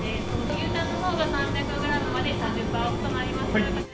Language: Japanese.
牛タンのほうが３００グラムまで３０パーオフとなります。